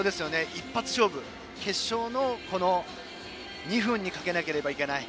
一発勝負、決勝の２分にかけなければいけない。